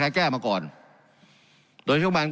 การปรับปรุงทางพื้นฐานสนามบิน